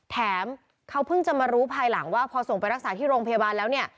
แถมเขาเพิ่งจะมารู้ภายหลังว่าพอส่งไปรักษาที่โรงพยาบาลแล้วเนี่ย